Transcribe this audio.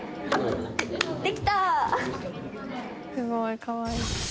すごいかわいい。